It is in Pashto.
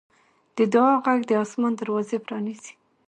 د دعا غږ د اسمان دروازې پرانیزي.